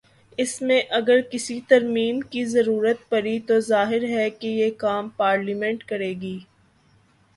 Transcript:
اس میں اگر کسی ترمیم کی ضرورت پڑی تو ظاہر ہے کہ یہ کام پارلیمنٹ کر ے گی۔